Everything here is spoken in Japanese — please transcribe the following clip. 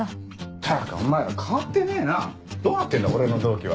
ったくお前ら変わってねえなどうなってんだ俺の同期は。